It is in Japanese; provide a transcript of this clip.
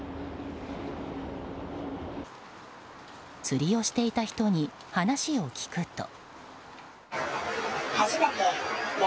釣りをしていた人に話を聞くと。